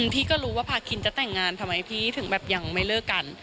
พี่ก็รู้ว่าพาคินจะแต่งงานทำไมพี่ถึงแบบยังไม่เลิกกัน